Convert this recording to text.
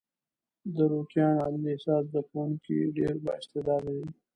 د روکيان عالي لیسې زده کوونکي ډېر با استعداده دي.